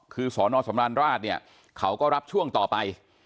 คือสนสมรรณราชเขาก็รับช่วงต่อไป